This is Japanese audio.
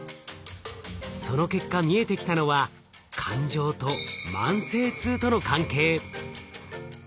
その結果見えてきたのは感情と慢性痛との関係。